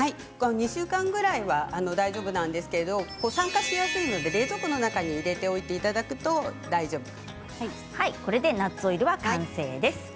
２週間ぐらいは大丈夫なんですが酸化しやすいので冷蔵庫の中に入れていただくとこれでナッツオイルは完成です。